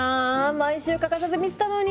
毎週欠かさず見てたのに。